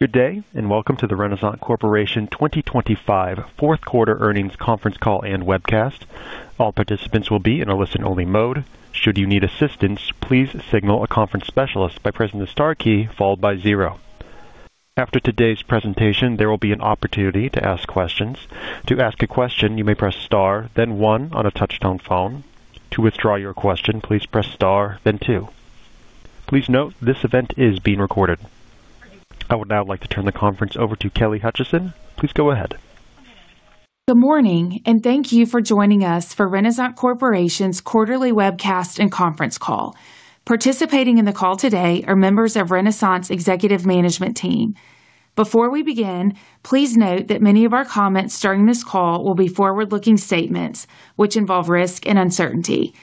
Good day, and welcome to the Renasant Corporation 2025 fourth quarter earnings conference call and webcast. All participants will be in a listen-only mode. Should you need assistance, please signal a conference specialist by pressing the star key followed by zero. After today's presentation, there will be an opportunity to ask questions. To ask a question, you may press star then one on a touch-tone phone. To withdraw your question, please press star then two. Please note, this event is being recorded. I would now like to turn the conference over to Kelly Hutcheson. Please go ahead. Good morning, and thank you for joining us for Renasant Corporation's quarterly webcast and conference call. Participating in the call today are members of Renasant's executive management team. Before we begin, please note that many of our comments during this call will be forward-looking statements, which involve risk and uncertainty.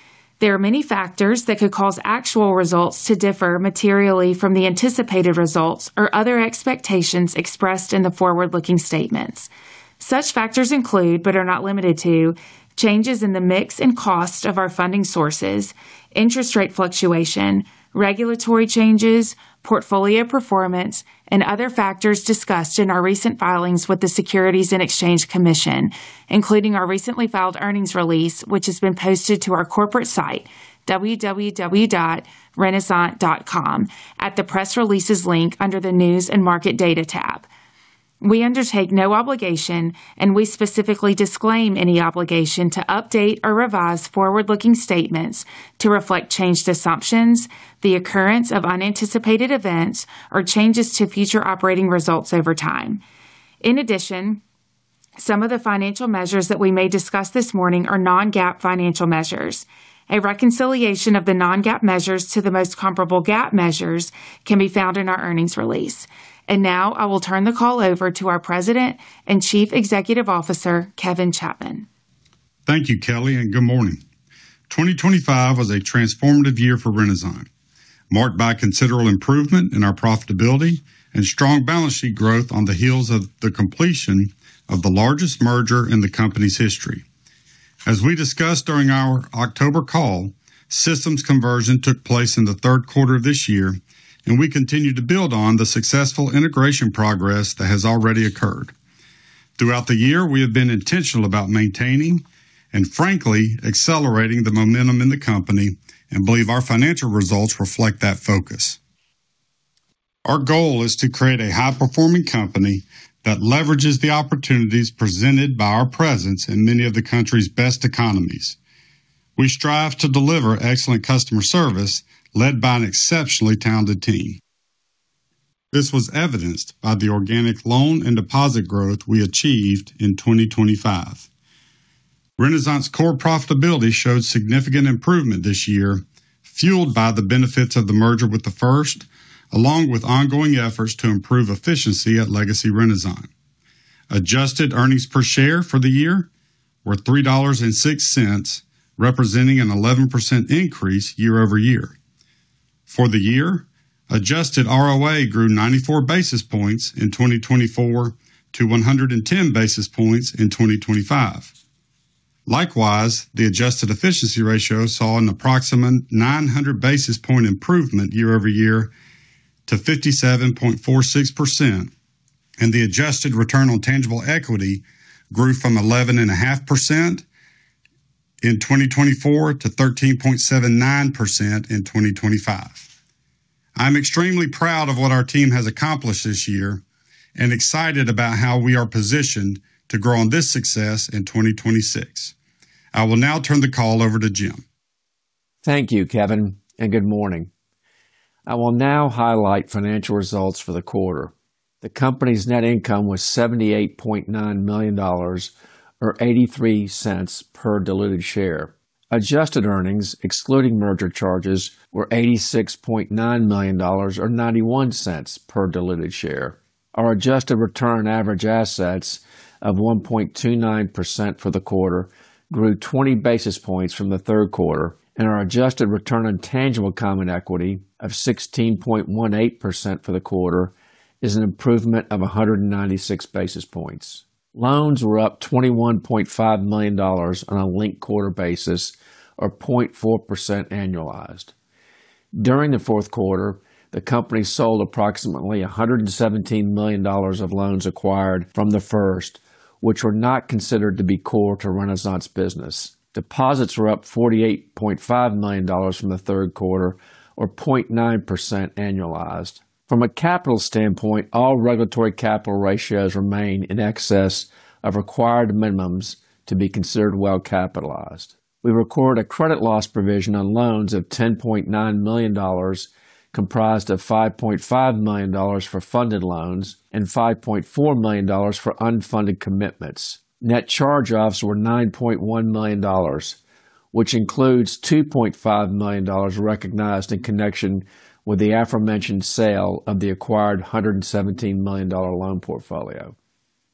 There are many factors that could cause actual results to differ materially from the anticipated results or other expectations expressed in the forward-looking statements. Such factors include, but are not limited to, changes in the mix and cost of our funding sources, interest rate fluctuation, regulatory changes, portfolio performance, and other factors discussed in our recent filings with the Securities and Exchange Commission, including our recently filed earnings release, which has been posted to our corporate site, www.renasant.com, at the Press Releases link under the News and Market Data tab. We undertake no obligation, and we specifically disclaim any obligation to update or revise forward-looking statements to reflect changed assumptions, the occurrence of unanticipated events, or changes to future operating results over time. In addition, some of the financial measures that we may discuss this morning are non-GAAP financial measures. A reconciliation of the non-GAAP measures to the most comparable GAAP measures can be found in our earnings release. And now I will turn the call over to our President and Chief Executive Officer, Kevin Chapman. Thank you, Kelly, and good morning. 2025 was a transformative year for Renasant, marked by considerable improvement in our profitability and strong balance sheet growth on the heels of the completion of the largest merger in the company's history. As we discussed during our October call, systems conversion took place in the third quarter of this year, and we continue to build on the successful integration progress that has already occurred. Throughout the year, we have been intentional about maintaining and frankly accelerating the momentum in the company and believe our financial results reflect that focus. Our goal is to create a high-performing company that leverages the opportunities presented by our presence in many of the country's best economies. We strive to deliver excellent customer service led by an exceptionally talented team. This was evidenced by the organic loan and deposit growth we achieved in 2025. Renasant's core profitability showed significant improvement this year, fueled by the benefits of the merger with The First, along with ongoing efforts to improve efficiency at Legacy Renasant. Adjusted earnings per share for the year were $3.06, representing an 11% increase year-over-year. For the year, adjusted ROA grew 94 basis points in 2024 to 110 basis points in 2025. Likewise, the adjusted efficiency ratio saw an approximate 900 basis point improvement year-over-year to 57.46%, and the adjusted return on tangible equity grew from 11.5% in 2024 to 13.79% in 2025. I'm extremely proud of what our team has accomplished this year and excited about how we are positioned to grow on this success in 2026. I will now turn the call over to Jim. Thank you, Kevin, and good morning. I will now highlight financial results for the quarter. The company's net income was $78.9 million or $0.83 per diluted share. Adjusted earnings, excluding merger charges, were $86.9 million or $0.91 per diluted share. Our adjusted return on average assets of 1.29% for the quarter grew 20 basis points from the third quarter, and our adjusted return on tangible common equity of 16.18% for the quarter is an improvement of 196 basis points. Loans were up $21.5 million on a linked quarter basis or 0.4% annualized. During the fourth quarter, the company sold approximately $117 million of loans acquired from The First, which were not considered to be core to Renasant's business. Deposits were up $48.5 million from the third quarter or 0.9% annualized. From a capital standpoint, all regulatory capital ratios remain in excess of required minimums to be considered well capitalized. We recorded a credit loss provision on loans of $10.9 million, comprised of $5.5 million for funded loans and $5.4 million for unfunded commitments. Net charge-offs were $9.1 million, which includes $2.5 million recognized in connection with the aforementioned sale of the acquired $117 million loan portfolio.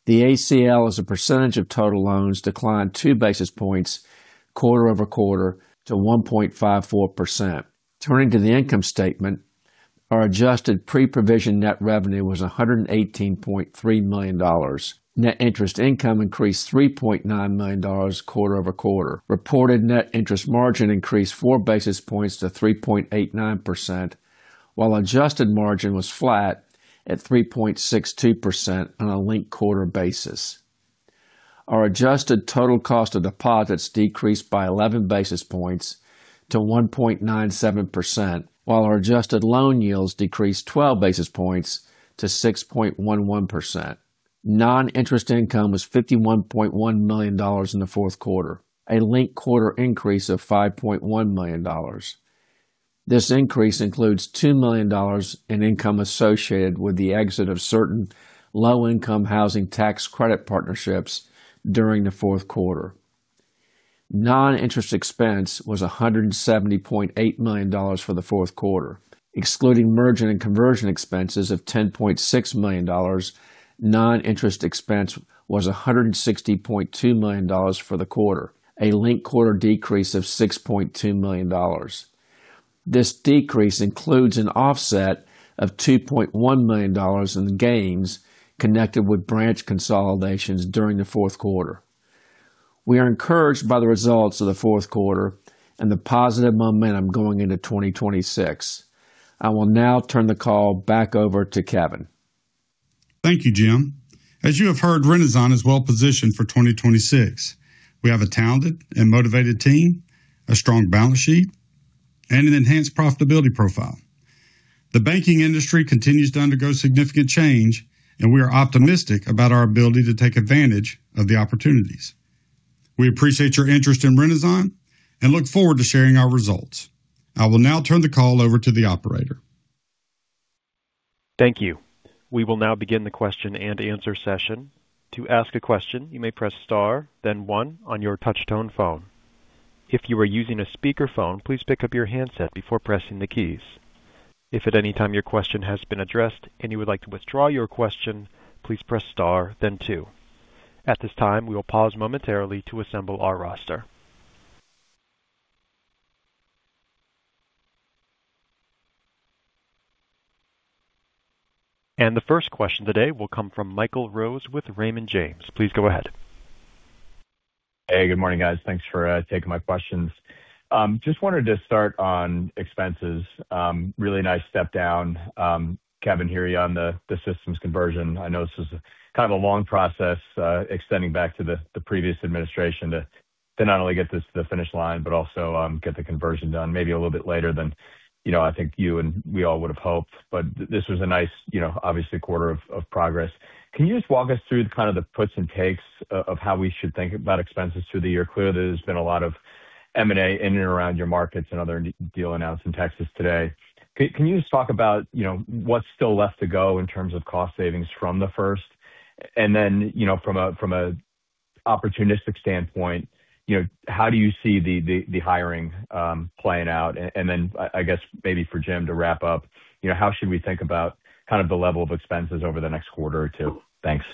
The ACL, as a percentage of total loans, declined 2 basis points quarter-over-quarter to 1.54%. Turning to the income statement, our adjusted pre-provision net revenue was $118.3 million. Net interest income increased $3.9 million quarter-over-quarter. Reported net interest margin increased 4 basis points to 3.89%, while adjusted margin was flat at 3.62% on a linked-quarter basis.... Our adjusted total cost of deposits decreased by 11 basis points to 1.97%, while our adjusted loan yields decreased 12 basis points to 6.11%. Non-interest income was $51.1 million in the fourth quarter, a linked quarter increase of $5.1 million. This increase includes $2 million in income associated with the exit of certain Low-Income Housing Tax Credit partnerships during the fourth quarter. Non-interest expense was $170.8 million for the fourth quarter. Excluding merger and conversion expenses of $10.6 million, non-interest expense was $160.2 million for the quarter, a linked quarter decrease of $6.2 million. This decrease includes an offset of $2.1 million in gains connected with branch consolidations during the fourth quarter. We are encouraged by the results of the fourth quarter and the positive momentum going into 2026. I will now turn the call back over to Kevin. Thank you, Jim. As you have heard, Renasant is well positioned for 2026. We have a talented and motivated team, a strong balance sheet, and an enhanced profitability profile. The banking industry continues to undergo significant change, and we are optimistic about our ability to take advantage of the opportunities. We appreciate your interest in Renasant and look forward to sharing our results. I will now turn the call over to the operator. Thank you. We will now begin the question-and-answer session. To ask a question, you may press Star, then one on your touchtone phone. If you are using a speakerphone, please pick up your handset before pressing the keys. If at any time your question has been addressed and you would like to withdraw your question, please press Star, then two. At this time, we will pause momentarily to assemble our roster. The first question today will come from Michael Rose with Raymond James. Please go ahead. Hey, good morning, guys. Thanks for taking my questions. Just wanted to start on expenses. Really nice step down, Kevin, hear you on the systems conversion. I know this is kind of a long process, extending back to the previous administration to not only get this to the finish line, but also get the conversion done, maybe a little bit later than, you know, I think you and we all would have hoped, but this was a nice, you know, obviously, quarter of progress. Can you just walk us through kind of the puts and takes of how we should think about expenses through the year? Clearly, there's been a lot of M&A in and around your markets, another deal announced in Texas today. Can you just talk about, you know, what's still left to go in terms of cost savings from The First? And then, you know, from an opportunistic standpoint, you know, how do you see the hiring playing out? And then, I guess, maybe for Jim to wrap up, you know, how should we think about kind of the level of expenses over the next quarter or two? Thanks.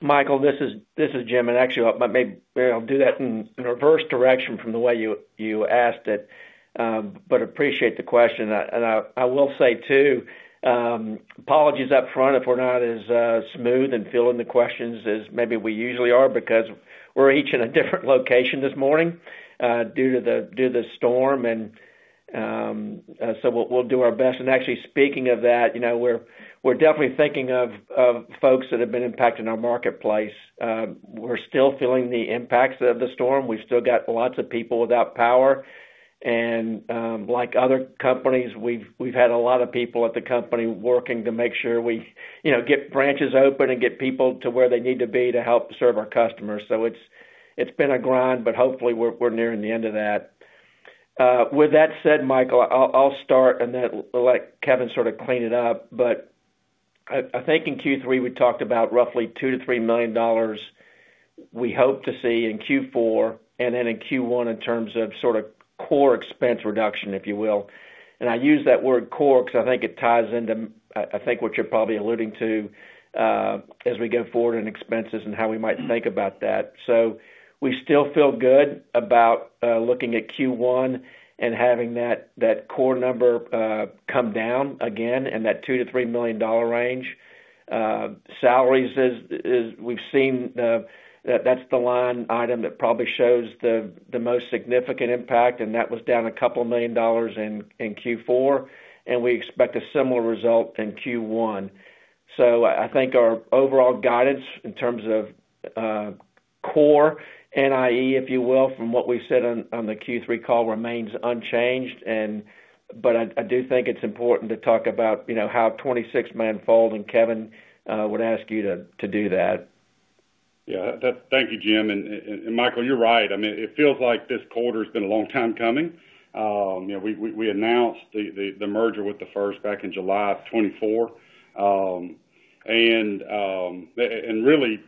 Michael, this is Jim, and actually, maybe I'll do that in reverse direction from the way you asked it, but appreciate the question. And I will say, too, apologies up front if we're not as smooth in filling the questions as maybe we usually are, because we're each in a different location this morning, due to the storm. And so we'll do our best. And actually, speaking of that, you know, we're definitely thinking of folks that have been impacted in our marketplace. We're still feeling the impacts of the storm. We've still got lots of people without power, and, like other companies, we've had a lot of people at the company working to make sure we, you know, get branches open and get people to where they need to be to help serve our customers. So it's been a grind, but hopefully, we're nearing the end of that. With that said, Michael, I'll start and then let Kevin sort of clean it up. But I think in Q3, we talked about roughly $2-$3 million we hope to see in Q4 and then in Q1, in terms of sort of core expense reduction, if you will. And I use that word core because I think it ties into, I think, what you're probably alluding to, as we go forward in expenses and how we might think about that. So we still feel good about looking at Q1 and having that core number come down again in that $2-$3 million range. Salaries is—we've seen the, that's the line item that probably shows the most significant impact, and that was down $2 million in Q4, and we expect a similar result in Q1. So I think our overall guidance in terms of core NIE, if you will, from what we've said on the Q3 call, remains unchanged. But I do think it's important to talk about, you know, how 2026 may unfold, and Kevin, I would ask you to do that. Yeah. Thank you, Jim. And Michael, you're right. I mean, it feels like this quarter's been a long time coming. You know, we announced the merger with the First back in July of 2024. And really,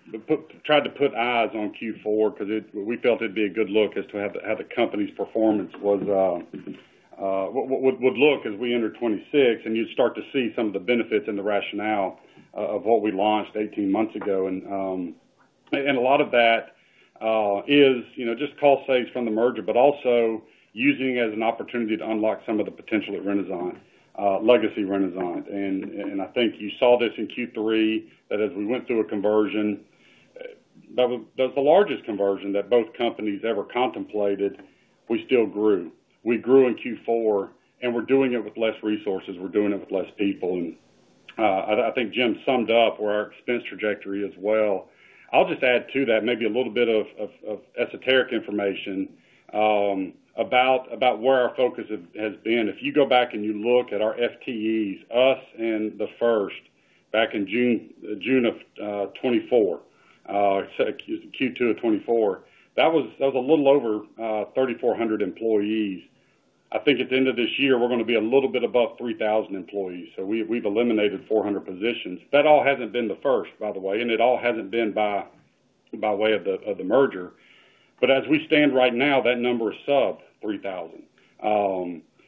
tried to put eyes on Q4 because we felt it'd be a good look as to how the company's performance would look as we enter 2026, and you'd start to see some of the benefits and the rationale of what we launched eighteen months ago. And a lot of that is, you know, just cost saves from the merger, but also using it as an opportunity to unlock some of the potential at Renasant, legacy Renasant. And I think you saw this in Q3, that as we went through a conversion that was the largest conversion that both companies ever contemplated, we still grew. We grew in Q4, and we're doing it with less resources, we're doing it with less people. I think Jim summed up where our expense trajectory as well. I'll just add to that maybe a little bit of of esoteric information about where our focus has been. If you go back and you look at our FTEs, us and The First, back in June of 2024, Q2 of 2024, that was a little over 3,400 employees. I think at the end of this year, we're gonna be a little bit above 3,000 employees. So we've eliminated 400 positions. That all hasn't been The First, by the way, and it all hasn't been by way of the merger. But as we stand right now, that number is sub 3,000.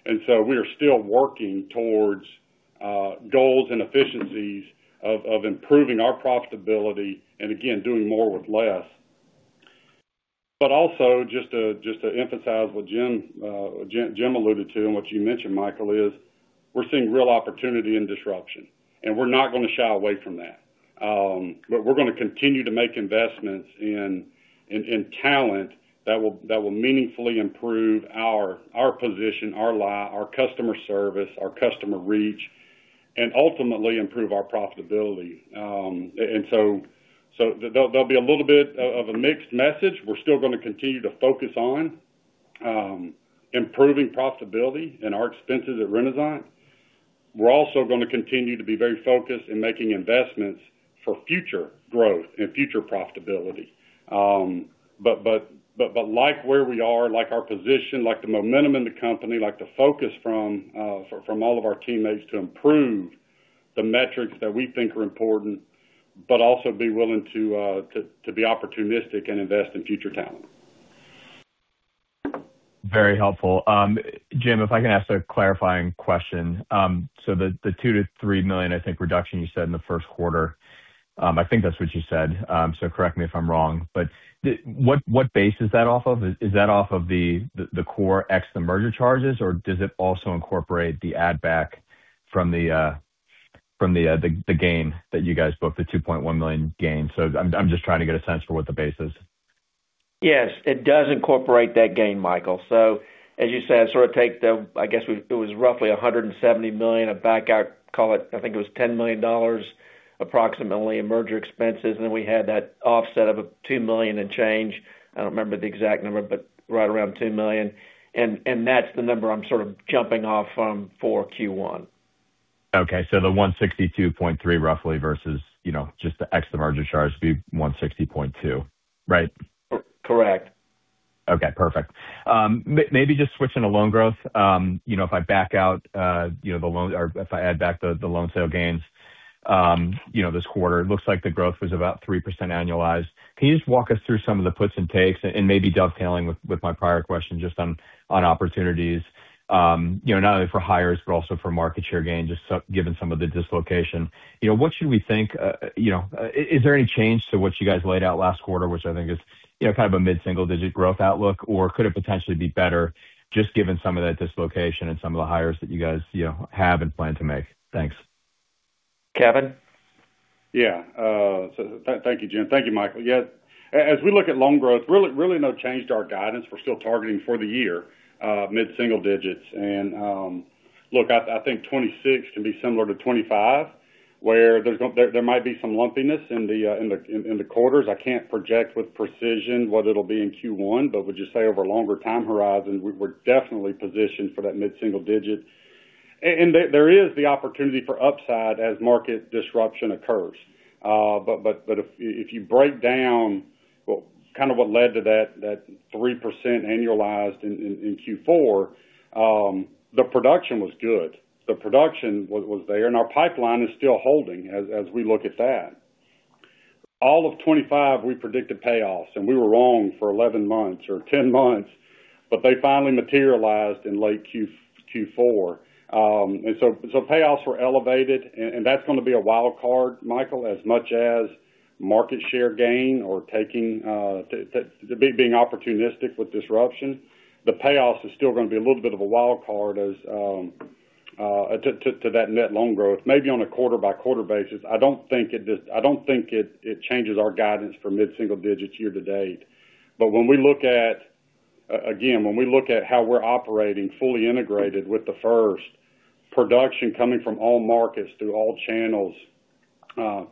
And so we are still working towards goals and efficiencies of improving our profitability and again, doing more with less. But also just to emphasize what Jim alluded to, and what you mentioned, Michael, is we're seeing real opportunity in disruption, and we're not gonna shy away from that. But we're gonna continue to make investments in talent that will meaningfully improve our position, our customer service, our customer reach, and ultimately improve our profitability. And so there'll be a little bit of a mixed message. We're still gonna continue to focus on improving profitability and our expenses at Renasant. We're also gonna continue to be very focused in making investments for future growth and future profitability. But like where we are, like our position, like the momentum in the company, like the focus from all of our teammates to improve the metrics that we think are important, but also be willing to be opportunistic and invest in future talent. Very helpful. Jim, if I can ask a clarifying question. So the $2 million-$3 million, I think, reduction you said in the first quarter, I think that's what you said, so correct me if I'm wrong, but what base is that off of? Is that off of the core ex, the merger charges, or does it also incorporate the add back from the gain that you guys booked, the $2.1 million gain? So I'm just trying to get a sense for what the base is. Yes, it does incorporate that gain, Michael. So as you said, I sort of take the, I guess, it was roughly 170 million back out, call it, I think it was $10 million, approximately, in merger expenses, and then we had that offset of $2 million and change. I don't remember the exact number, but right around 2 million, and that's the number I'm sort of jumping off from for Q1. Okay, so the $162.3, roughly, versus, you know, just the ex, the merger charge, would be $160.2, right? Correct. Okay, perfect. Maybe just switching to loan growth, you know, if I back out the loan or if I add back the loan sale gains, you know, this quarter, it looks like the growth was about 3% annualized. Can you just walk us through some of the puts and takes and maybe dovetailing with my prior question, just on opportunities, you know, not only for hires, but also for market share gain, just so, given some of the dislocation. You know, what should we think, you know, is there any change to what you guys laid out last quarter, which I think is, you know, kind of a mid-single-digit growth outlook, or could it potentially be better just given some of that dislocation and some of the hires that you guys, you know, have and plan to make? Thanks. Kevin? Yeah, so thank you, Jim. Thank you, Michael. Yeah, as we look at loan growth, really, really no change to our guidance. We're still targeting for the year, mid-single digits. And, look, I think 26 can be similar to 25, where there might be some lumpiness in the quarters. I can't project with precision what it'll be in Q1, but would just say over a longer time horizon, we're definitely positioned for that mid-single digit. And there is the opportunity for upside as market disruption occurs. But if you break down kind of what led to that 3% annualized in Q4, the production was good. The production was there, and our pipeline is still holding as we look at that. All of 25, we predicted payoffs, and we were wrong for 11 months or 10 months, but they finally materialized in late Q4, Q4. So payoffs were elevated, and that's gonna be a wild card, Michael, as much as market share gain or taking the being opportunistic with disruption. The payoffs is still gonna be a little bit of a wild card as to that net loan growth, maybe on a quarter by quarter basis. I don't think it just—I don't think it changes our guidance for mid-single digits year to date. But when we look at how we're operating, fully integrated with The First, production coming from all markets through all channels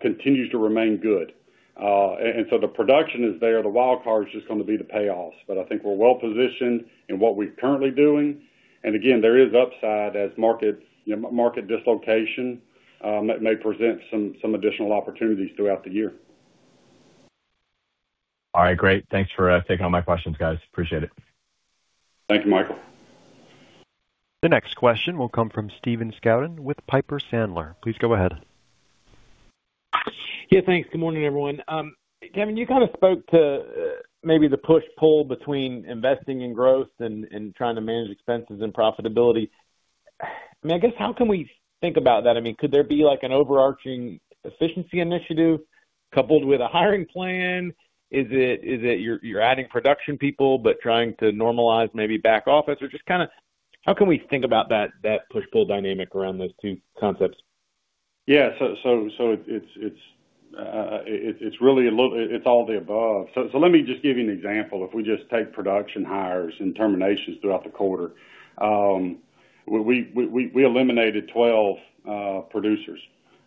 continues to remain good. And so the production is there, the wild card is just gonna be the payoffs. But I think we're well-positioned in what we're currently doing. And again, there is upside as market, you know, market dislocation that may present some additional opportunities throughout the year. All right, great. Thanks for taking all my questions, guys. Appreciate it. Thank you, Michael. The next question will come from Stephen Scouten with Piper Sandler. Please go ahead. Yeah, thanks. Good morning, everyone. Kevin, you kind of spoke to maybe the push-pull between investing in growth and trying to manage expenses and profitability. I mean, I guess, how can we think about that? I mean, could there be like an overarching efficiency initiative coupled with a hiring plan? Is it you're adding production people, but trying to normalize maybe back office? Or just kind of how can we think about that, that push-pull dynamic around those two concepts?... Yeah, so it's really a little—it's all the above. So let me just give you an example. If we just take production hires and terminations throughout the quarter, we eliminated 12 producers,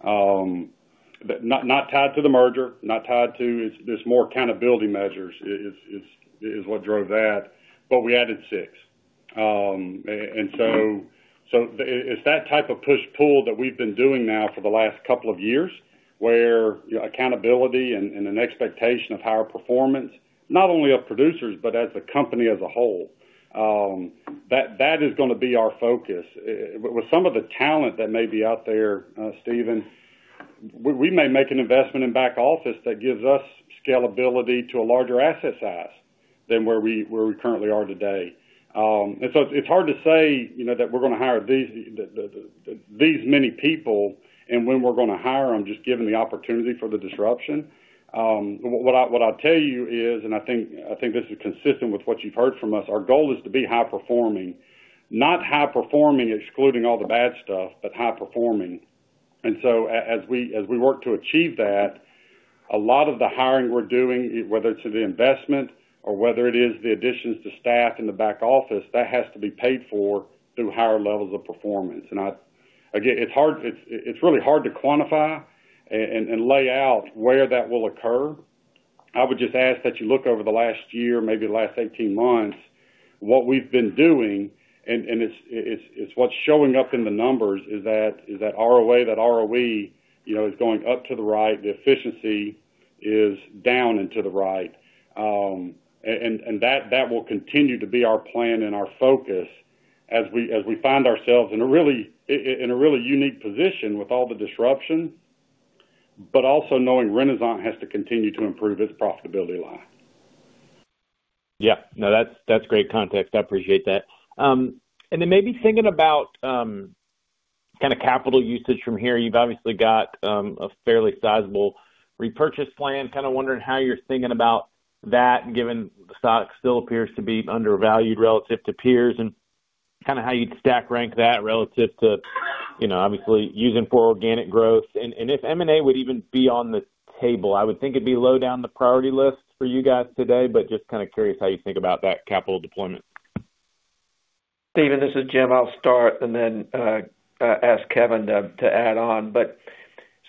but not tied to the merger, not tied to—it's just more accountability measures is what drove that. But we added 6. And so it's that type of push-pull that we've been doing now for the last couple of years, where accountability and an expectation of higher performance, not only of producers, but as a company as a whole, that is gonna be our focus. With some of the talent that may be out there, Stephen, we may make an investment in back office that gives us scalability to a larger asset size than where we currently are today. And so it's hard to say, you know, that we're gonna hire these many people, and when we're gonna hire them, just given the opportunity for the disruption. What I'll tell you is, and I think this is consistent with what you've heard from us, our goal is to be high performing. Not high performing, excluding all the bad stuff, but high performing. And so as we work to achieve that, a lot of the hiring we're doing, whether it's in the investment or whether it is the additions to staff in the back office, that has to be paid for through higher levels of performance. And again, it's hard, it's really hard to quantify and lay out where that will occur. I would just ask that you look over the last year, maybe the last 18 months, what we've been doing, and it's what's showing up in the numbers, is that ROA, that ROE, you know, is going up to the right, the efficiency is down and to the right. And that will continue to be our plan and our focus as we find ourselves in a really unique position with all the disruption, but also knowing Renasant has to continue to improve its profitability line. Yeah. No, that's great context. I appreciate that. And then maybe thinking about kind of capital usage from here, you've obviously got a fairly sizable repurchase plan. Kind of wondering how you're thinking about that, given the stock still appears to be undervalued relative to peers, and kind of how you'd stack rank that relative to, you know, obviously using for organic growth. And if M&A would even be on the table, I would think it'd be low down the priority list for you guys today, but just kind of curious how you think about that capital deployment. Stephen, this is Jim. I'll start and then ask Kevin to add on. But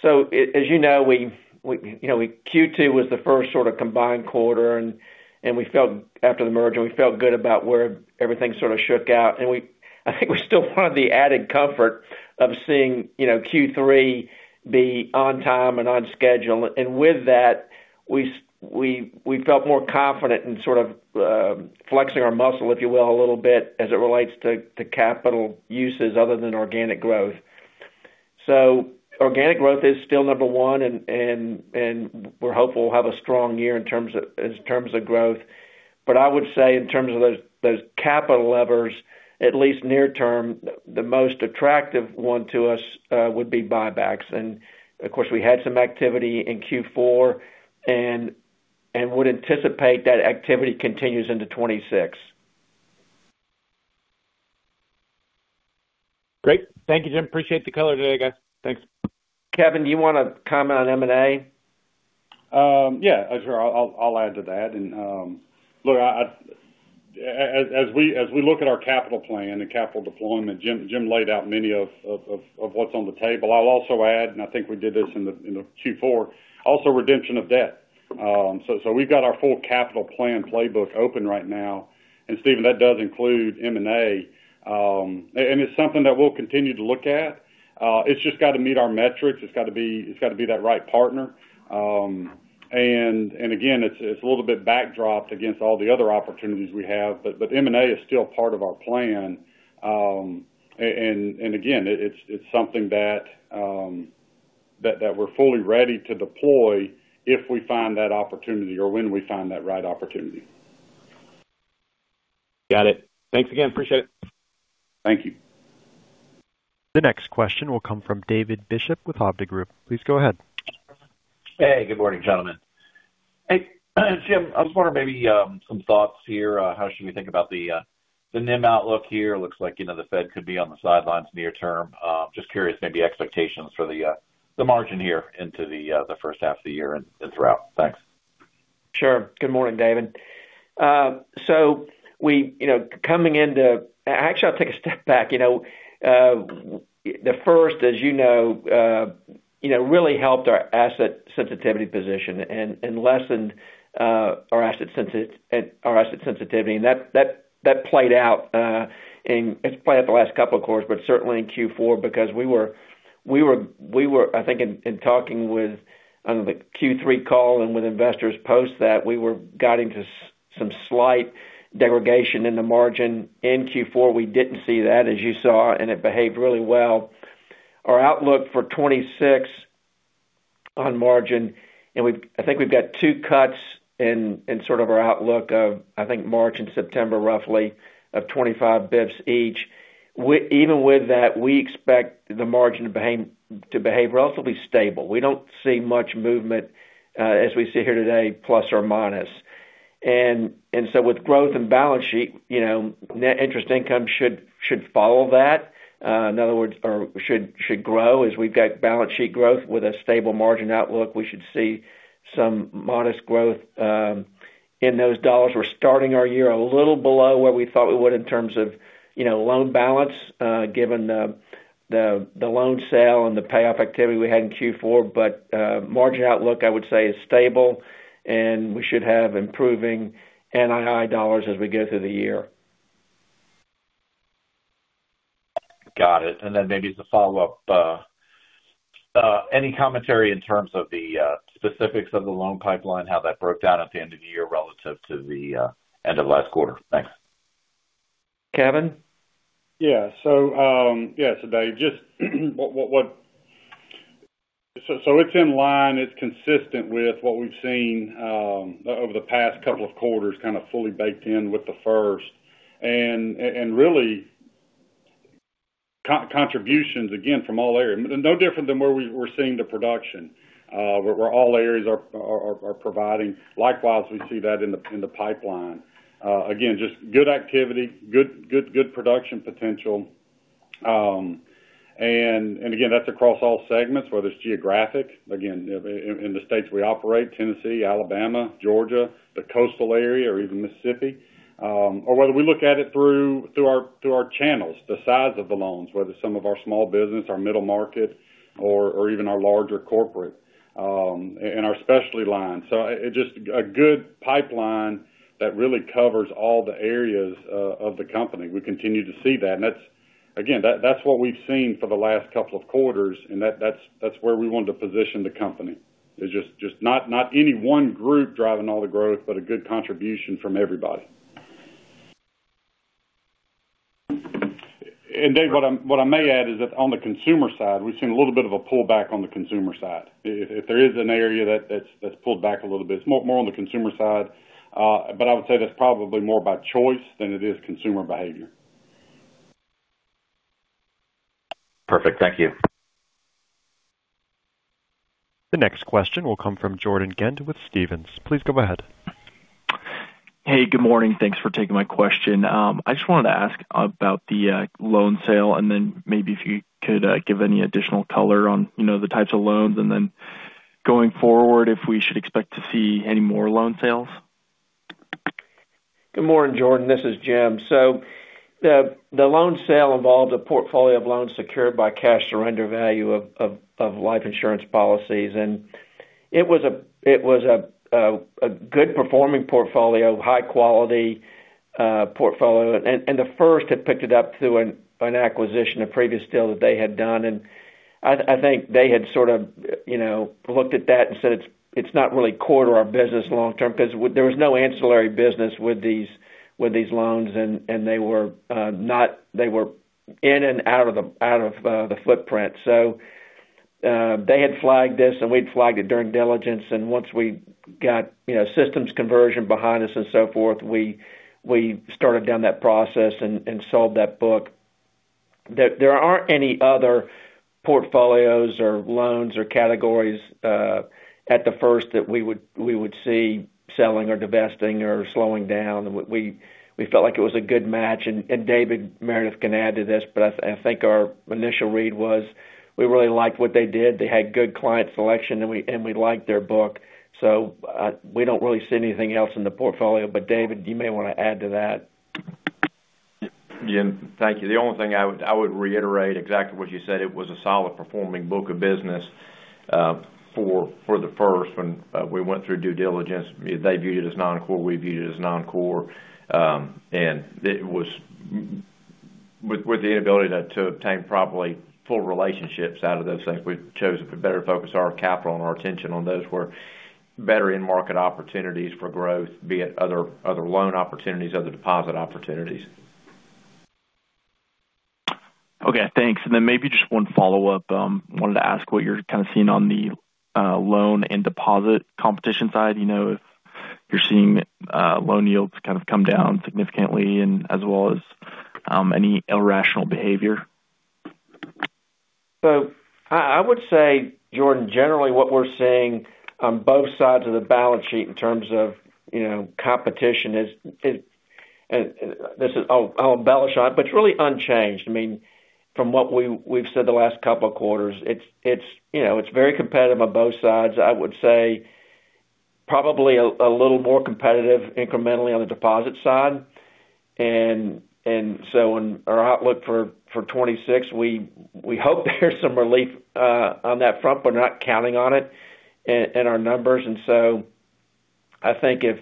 so as you know, we, you know, we Q2 was The First sort of combined quarter, and we felt after the merger, we felt good about where everything sort of shook out. And we I think we still want the added comfort of seeing, you know, Q3 be on time and on schedule. And with that, we we felt more confident in sort of flexing our muscle, if you will, a little bit, as it relates to capital uses other than organic growth. So organic growth is still number one, and we're hopeful we'll have a strong year in terms of growth. But I would say in terms of those capital levers, at least near term, the most attractive one to us would be buybacks. And, of course, we had some activity in Q4 and would anticipate that activity continues into 2026. Great. Thank you, Jim. Appreciate the color today, guys. Thanks. Kevin, do you want to comment on M&A? Yeah, sure. I'll add to that. And look, as we look at our capital plan and capital deployment, Jim laid out many of what's on the table. I'll also add, and I think we did this in the Q4, also redemption of debt. So we've got our full capital plan playbook open right now, and Stephen, that does include M&A. And it's something that we'll continue to look at. It's just got to meet our metrics. It's got to be that right partner. And again, it's a little bit backdropped against all the other opportunities we have, but M&A is still part of our plan. And again, it's something that we're fully ready to deploy if we find that opportunity or when we find that right opportunity. Got it. Thanks again. Appreciate it. Thank you. The next question will come from David Bishop with Hovde Group. Please go ahead. Hey, good morning, gentlemen. Hey, Jim, I was wondering, maybe, some thoughts here. How should we think about the NIM outlook here? It looks like, you know, the Fed could be on the sidelines near term. Just curious, maybe expectations for the margin here into The First half of the year and, and throughout. Thanks. Sure. Good morning, David. So we—you know, coming into... Actually, I'll take a step back. You know, The First, as you know, you know, really helped our asset sensitivity position and lessened our asset sensitivity. And that played out, it's played out the last couple of quarters, but certainly in Q4, because we were, I think, in talking with, on the Q3 call and with investors post that, we were guiding to some slight derogation in the margin. In Q4, we didn't see that, as you saw, and it behaved really well. Our outlook for 2026 on margin, and we've—I think we've got two cuts in, in sort of our outlook of, I think, March and September, roughly, of 25 basis points each. We even with that, we expect the margin to behave relatively stable. We don't see much movement as we sit here today, plus or minus. And so with growth and balance sheet, you know, net interest income should follow that. In other words, it should grow as we've got balance sheet growth with a stable margin outlook; we should see some modest growth in those dollars. We're starting our year a little below where we thought we would in terms of, you know, loan balance given the loan sale and the payoff activity we had in Q4. But margin outlook, I would say, is stable, and we should have improving NII dollars as we go through the year. Got it. Maybe as a follow-up, any commentary in terms of the specifics of the loan pipeline, how that broke down at the end of the year relative to the end of last quarter? Thanks. Kevin? Yeah. So, yes, Dave, just what—so, so it's in line. It's consistent with what we've seen over the past couple of quarters, kind of fully baked in with the First. And really, core contributions, again, from all areas, no different than where we're seeing the production, where all areas are providing. Likewise, we see that in the pipeline. Again, just good activity, good production potential. And again, that's across all segments, whether it's geographic, again, in the states we operate, Tennessee, Alabama, Georgia, the Coastal Area, or even Mississippi, or whether we look at it through our channels, the size of the loans, whether some of our small business, our middle market, or even our larger corporate, and our specialty lines. So it's just a good pipeline that really covers all the areas of the company. We continue to see that. And that's, again, that's what we've seen for the last couple of quarters, and that's where we want to position the company. It's just not any one group driving all the growth, but a good contribution from everybody. And Dave, what I may add is that on the consumer side, we've seen a little bit of a pullback on the consumer side. If there is an area that's pulled back a little bit, it's more on the consumer side, but I would say that's probably more by choice than it is consumer behavior. Perfect. Thank you. The next question will come from Jordan Ghent with Stephens. Please go ahead. Hey, good morning. Thanks for taking my question. I just wanted to ask about the loan sale, and then maybe if you could give any additional color on, you know, the types of loans, and then going forward, if we should expect to see any more loan sales? Good morning, Jordan, this is Jim. So the loan sale involved a portfolio of loans secured by cash surrender value of life insurance policies. And it was a good performing portfolio, high quality portfolio. And the First had picked it up through an acquisition, a previous deal that they had done. And I think they had sort of, you know, looked at that and said, it's not really core to our business long term, because there was no ancillary business with these loans, and they were not. They were in and out of the footprint. So, they had flagged this, and we'd flagged it during diligence, and once we got, you know, systems conversion behind us and so forth, we, we started down that process and, and sold that book. There, there aren't any other portfolios or loans or categories at the First that we would, we would see selling or divesting or slowing down. We, we felt like it was a good match, and, and David Meredith can add to this, but I, I think our initial read was we really liked what they did. They had good client selection, and we, and we liked their book. So, we don't really see anything else in the portfolio. But, David, you may want to add to that. Yeah, thank you. The only thing I would reiterate exactly what you said. It was a solid performing book of business for The First when we went through due diligence. They viewed it as non-core, we viewed it as non-core. And it was with the ability to obtain probably full relationships out of those things, we chose to better focus our capital and our attention on those where better in-market opportunities for growth, be it other loan opportunities, other deposit opportunities. Okay, thanks. And then maybe just one follow-up. Wanted to ask what you're kind of seeing on the loan and deposit competition side. You know, if you're seeing loan yields kind of come down significantly and as well as any irrational behavior? So I would say, Jordan, generally what we're seeing on both sides of the balance sheet in terms of, you know, competition is, this is, I'll embellish on it, but it's really unchanged. I mean, from what we've said the last couple of quarters, it's, you know, it's very competitive on both sides. I would say probably a little more competitive incrementally on the deposit side. And so in our outlook for 2026, we hope there's some relief on that front, but we're not counting on it in our numbers. And so I think if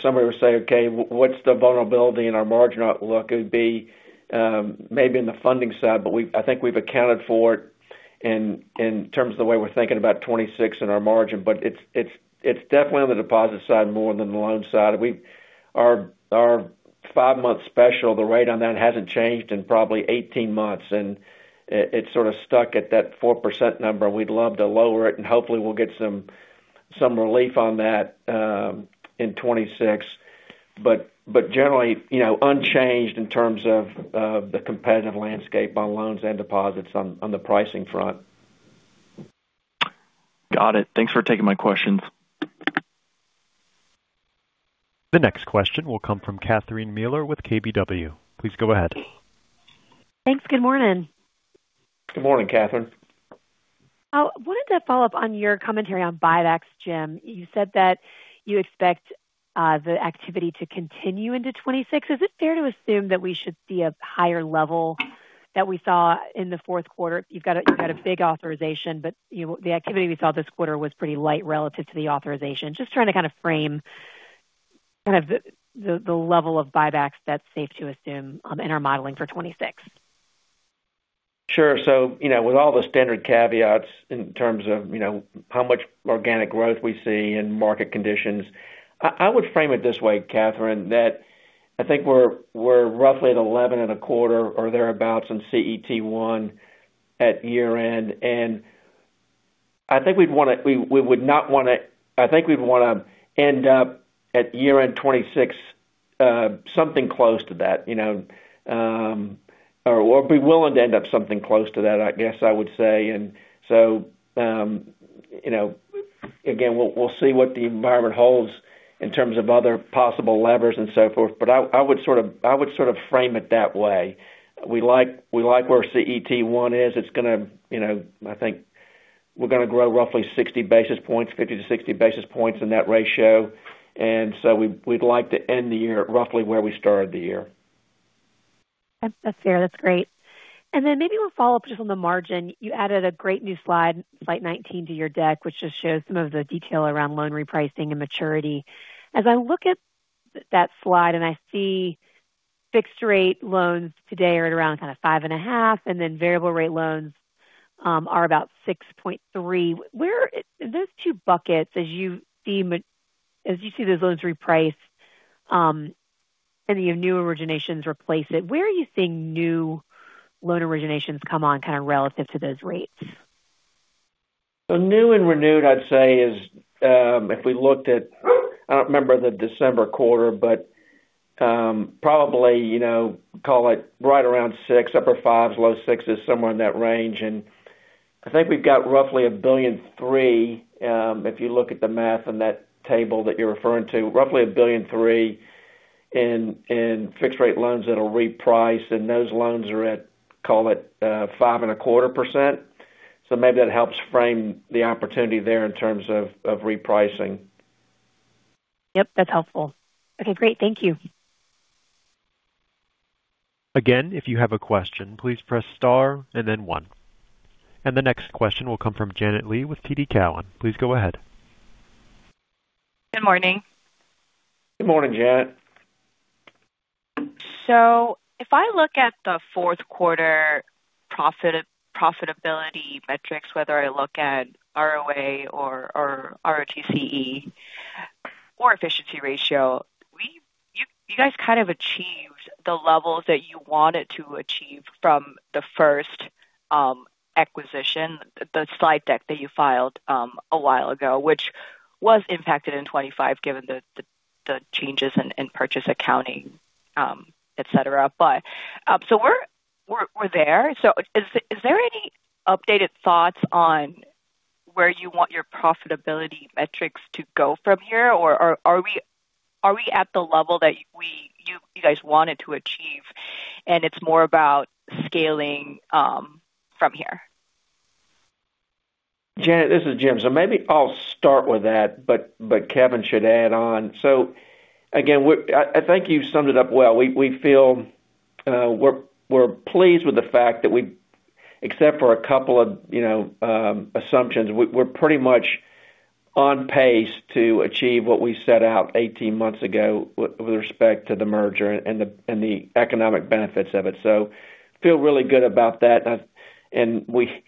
somebody were to say, okay, what's the vulnerability in our margin outlook? It would be maybe in the funding side, but I think we've accounted for it in terms of the way we're thinking about 2026 and our margin, but it's definitely on the deposit side more than the loan side. Our five-month special, the rate on that hasn't changed in probably 18 months, and it's sort of stuck at that 4% number. We'd love to lower it, and hopefully, we'll get some relief on that in 2026. But generally, you know, unchanged in terms of the competitive landscape on loans and deposits on the pricing front.... Got it. Thanks for taking my questions. The next question will come from Catherine Mealor with KBW. Please go ahead. Thanks. Good morning. Good morning, Catherine. Wanted to follow up on your commentary on buybacks, Jim. You said that you expect the activity to continue into 2026. Is it fair to assume that we should see a higher level than we saw in the fourth quarter? You've got a, you've got a big authorization, but, you know, the activity we saw this quarter was pretty light relative to the authorization. Just trying to kind of frame kind of the, the level of buybacks that's safe to assume in our modeling for 2026. Sure. So, you know, with all the standard caveats in terms of, you know, how much organic growth we see and market conditions, I would frame it this way, Catherine, that I think we're roughly at 11.25 or thereabouts in CET1 at year-end, and I think we'd want to—we would not want to—I think we'd want to end up at year-end 2026, something close to that, you know, or be willing to end up something close to that, I guess I would say. And so, you know, again, we'll see what the environment holds in terms of other possible levers and so forth, but I would sort of frame it that way. We like where CET1 is. It's going to, you know, I think we're going to grow roughly 60 basis points, 50-60 basis points in that ratio, and so we'd like to end the year roughly where we started the year. That's fair. That's great. And then maybe we'll follow up just on the margin. You added a great new slide, slide 19, to your deck, which just shows some of the detail around loan repricing and maturity. As I look at that slide, and I see fixed-rate loans today are at around kind of 5.5, and then variable rate loans are about 6.3. Where those two buckets, as you see those loans reprice, and you have new originations replace it, where are you seeing new loan originations come on, kind of relative to those rates? So new and renewed, I'd say, is, if we looked at, I don't remember the December quarter, but, probably, you know, call it right around 6, upper 5s, low 6s, somewhere in that range. And I think we've got roughly $1.3 billion, if you look at the math in that table that you're referring to, roughly $1.3 billion in fixed-rate loans that'll reprice, and those loans are at, call it, 5.25%. So maybe that helps frame the opportunity there in terms of repricing. Yep, that's helpful. Okay, great. Thank you. Again, if you have a question, please press star and then one. The next question will come from Janet Lee with TD Cowen. Please go ahead. Good morning. Good morning, Janet. So if I look at the fourth quarter profit, profitability metrics, whether I look at ROA or ROTCE or efficiency ratio, you, you guys kind of achieved the levels that you wanted to achieve from The First acquisition, the slide deck that you filed a while ago, which was impacted in 2025, given the changes in purchase accounting, et cetera. But so we're there. So is there any updated thoughts on where you want your profitability metrics to go from here? Or are we at the level that we, you, you guys wanted to achieve, and it's more about scaling from here? Janet, this is Jim. So maybe I'll start with that, but Kevin should add on. So again, we, I think you've summed it up well. We feel we're pleased with the fact that we, except for a couple of, you know, assumptions, we're pretty much on pace to achieve what we set out 18 months ago with respect to the merger and the economic benefits of it. So feel really good about that. And we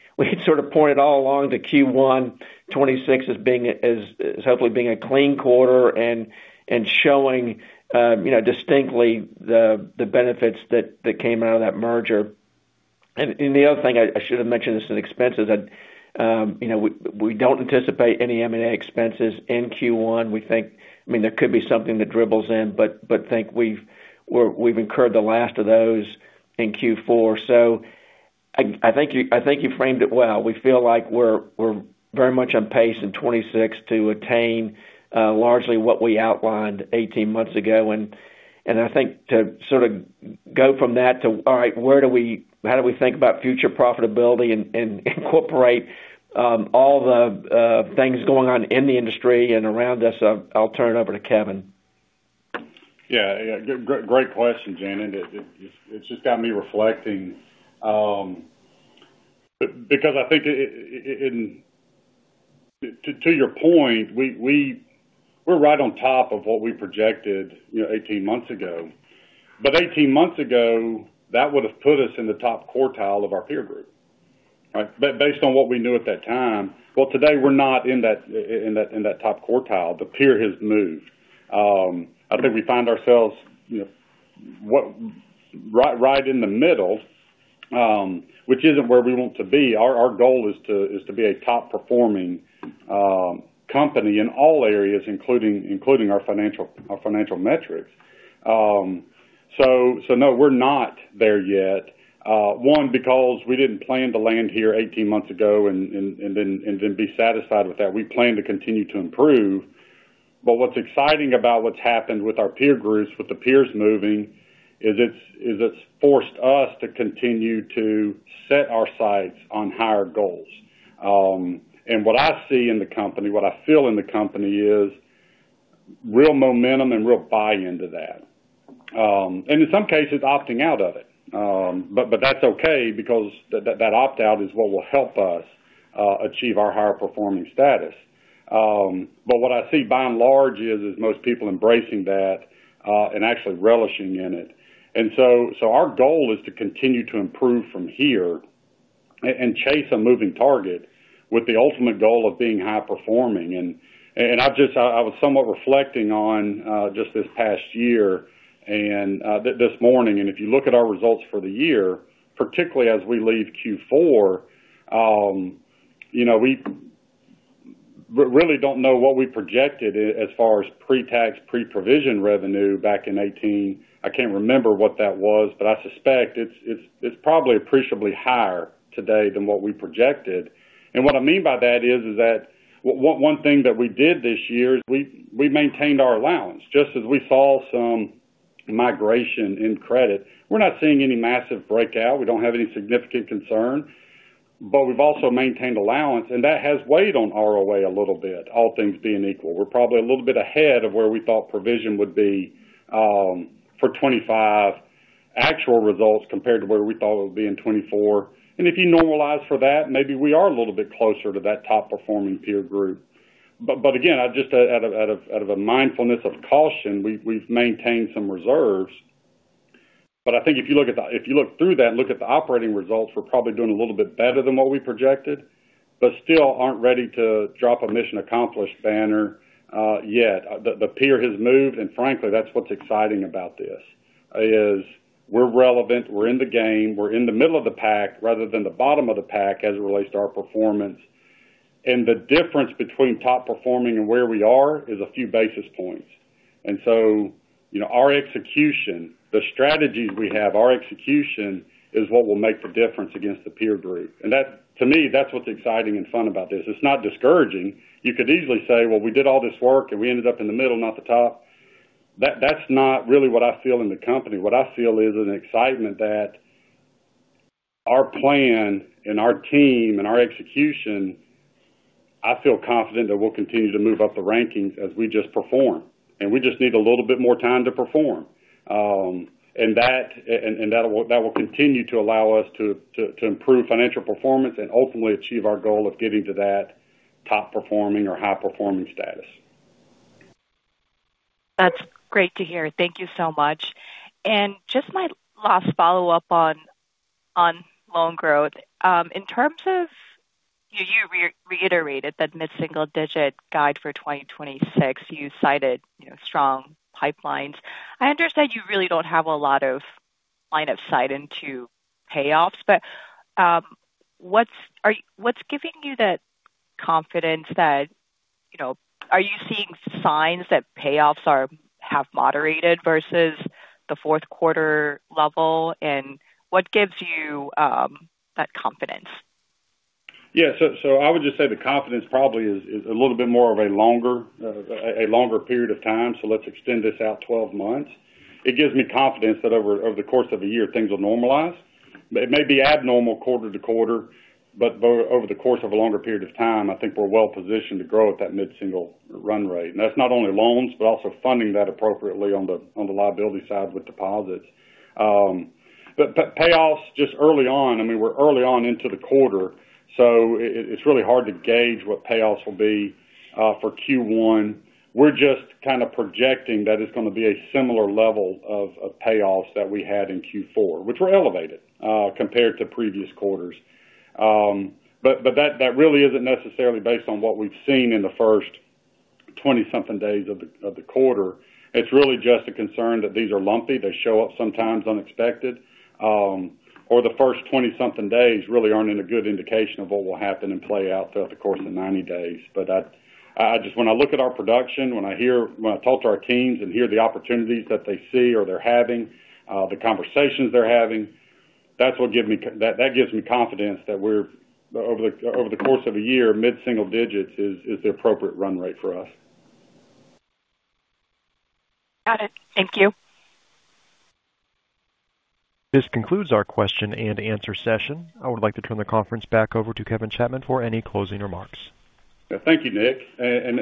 sort of pointed all along to Q1 2026 as being, as hopefully being a clean quarter and showing, you know, distinctly the benefits that came out of that merger. And the other thing I should have mentioned this in expenses, that, you know, we don't anticipate any M&A expenses in Q1. We think, I mean, there could be something that dribbles in, but we think we've incurred the last of those in Q4. So I think you framed it well. We feel like we're very much on pace in 2026 to attain largely what we outlined 18 months ago. And I think to sort of go from that to, all right, where do we - how do we think about future profitability and incorporate all the things going on in the industry and around us? I'll turn it over to Kevin. Yeah, yeah, great question, Janet. It, it, it's just got me reflecting, because I think... To, to your point, we're right on top of what we projected, you know, 18 months ago. But 18 months ago, that would have put us in the top quartile of our peer group, right? Based on what we knew at that time. Well, today, we're not in that top quartile. The peer has moved. I think we find ourselves, you know, what, right in the middle, which isn't where we want to be. Our goal is to be a top-performing company in all areas, including our financial metrics. So no, we're not there yet. One, because we didn't plan to land here 18 months ago and then be satisfied with that. We plan to continue to improve. But what's exciting about what's happened with our peer groups, with the peers moving, is it's forced us to continue to set our sights on higher goals. And what I see in the company, what I feel in the company, is real momentum and real buy-in to that. And in some cases, opting out of it. But that's okay because that opt-out is what will help us achieve our higher performing status. But what I see by and large is most people embracing that and actually relishing in it. So our goal is to continue to improve from here and chase a moving target with the ultimate goal of being high performing. And I just was somewhat reflecting on just this past year and this morning, and if you look at our results for the year, particularly as we leave Q4, you know, we really don't know what we projected as far as pre-tax, pre-provision revenue back in 2018. I can't remember what that was, but I suspect it's probably appreciably higher today than what we projected. And what I mean by that is that one thing that we did this year, we maintained our allowance. Just as we saw some migration in credit, we're not seeing any massive breakout. We don't have any significant concern, but we've also maintained allowance, and that has weighed on ROA a little bit, all things being equal. We're probably a little bit ahead of where we thought provision would be for 2025, actual results compared to where we thought it would be in 2024. And if you normalize for that, maybe we are a little bit closer to that top-performing peer group. But again, just out of a mindfulness of caution, we've maintained some reserves. But I think if you look through that and look at the operating results, we're probably doing a little bit better than what we projected, but still aren't ready to drop a mission accomplished banner yet. The peer has moved, and frankly, that's what's exciting about this, is we're relevant, we're in the game, we're in the middle of the pack rather than the bottom of the pack as it relates to our performance. And the difference between top performing and where we are is a few basis points. And so, you know, our execution, the strategies we have, our execution is what will make the difference against the peer group. And that, to me, that's what's exciting and fun about this. It's not discouraging. You could easily say, "Well, we did all this work, and we ended up in the middle, not the top." That's not really what I feel in the company. What I feel is an excitement that our plan and our team and our execution. I feel confident that we'll continue to move up the rankings as we just perform, and we just need a little bit more time to perform. And that will continue to allow us to improve financial performance and ultimately achieve our goal of getting to that top performing or high-performing status. That's great to hear. Thank you so much. And just my last follow-up on loan growth. In terms of... You reiterated that mid-single digit guide for 2026, you cited, you know, strong pipelines. I understand you really don't have a lot of line of sight into payoffs, but what's giving you that confidence that, you know, are you seeing signs that payoffs have moderated versus the fourth quarter level, and what gives you that confidence? Yeah, so I would just say the confidence probably is a little bit more of a longer period of time, so let's extend this out 12 months. It gives me confidence that over the course of a year, things will normalize. It may be abnormal quarter to quarter, but over the course of a longer period of time, I think we're well-positioned to grow at that mid-single run rate. And that's not only loans, but also funding that appropriately on the liability side with deposits. But payoffs just early on, I mean, we're early on into the quarter, so it's really hard to gauge what payoffs will be for Q1. We're just kind of projecting that it's gonna be a similar level of payoffs that we had in Q4, which were elevated compared to previous quarters. But that really isn't necessarily based on what we've seen in The First 20-something days of the quarter. It's really just a concern that these are lumpy. They show up sometimes unexpected, or The First 20-something days really aren't in a good indication of what will happen and play out throughout the course of 90 days. But I just, when I look at our production, when I hear, when I talk to our teams and hear the opportunities that they see or they're having, the conversations they're having, that's what give me, that gives me confidence that we're over the course of a year, mid-single digits is the appropriate run rate for us. Got it. Thank you. This concludes our question-and-answer session. I would like to turn the conference back over to Kevin Chapman for any closing remarks. Thank you, Nick. And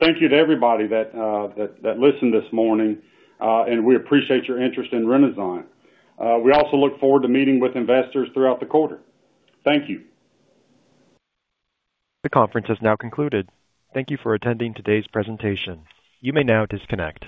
thank you to everybody that listened this morning, and we appreciate your interest in Renasant. We also look forward to meeting with investors throughout the quarter. Thank you. The conference has now concluded. Thank you for attending today's presentation. You may now disconnect.